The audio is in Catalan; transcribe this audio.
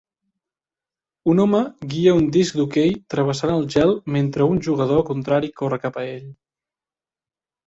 Un home guia un disc d'hoquei travessant el gel mentre un jugador contrari corre cap a ell